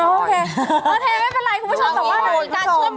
โอเคโอเคไม่เป็นไรคุณผู้ชม